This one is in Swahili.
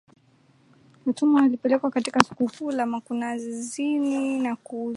Watumwa walipelekwa katika soko kuu la mkunazini na kuuzwa